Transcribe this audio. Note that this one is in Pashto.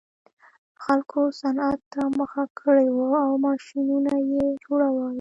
خلکو صنعت ته مخه کړې وه او ماشینونه یې جوړول